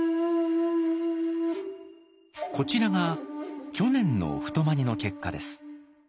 こちらが去年の太占の結果です。